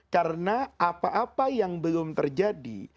karena apa apa yang belum terjadi